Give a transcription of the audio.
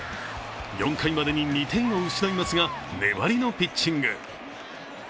４回までに２点を失いますが粘りのピッチング。